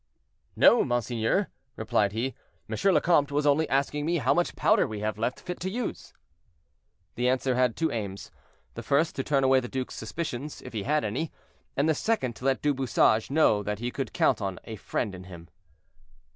"No, monseigneur," replied he, "M. le Comte was only asking me how much powder we had left fit to use." The answer had two aims; the first to turn away the duke's suspicions, if he had any; and the second to let Du Bouchage know that he could count on a friend in him.